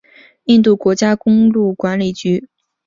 印度国家公路管理局。